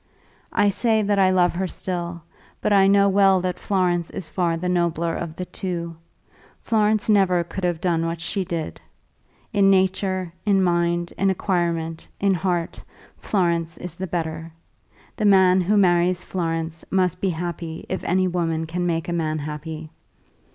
I say that I love her still; but I know well that Florence is far the nobler woman of the two. Florence never could have done what she did. In nature, in mind, in acquirement, in heart, Florence is the better. The man who marries Florence must be happy if any woman can make a man happy.